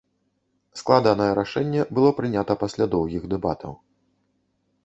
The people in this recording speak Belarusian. Складанае рашэнне было прынята пасля доўгіх дэбатаў.